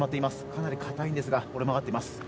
かなり硬いんですが折れ曲がっています。